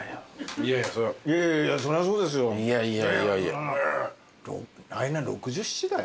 いやいやいやいや。